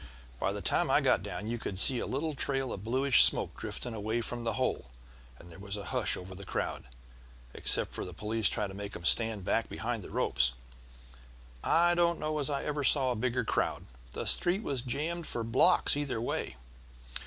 "By the time I got down you could see a little trail of bluish smoke drifting away from the hole, and there was a hush over the crowd, except for the police trying to make them stand back behind the ropes. I don't know as I ever saw a bigger crowd; the street was jammed for blocks either way.